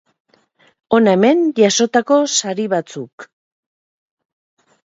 Hona hemen jasotako sari batzuk.